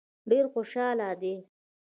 ډېر خوشاله دي.